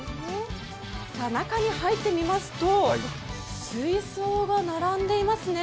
中に入ってみますと、水槽が並んでいますね。